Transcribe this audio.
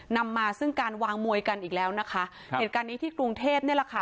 นำมาซึ่งการวางมวยกันอีกแล้วนะคะครับเหตุการณ์นี้ที่กรุงเทพนี่แหละค่ะ